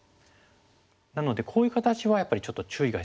なのでこういう形はやっぱりちょっと注意が必要なんです。